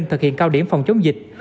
thực hiện cao điểm phòng chống dịch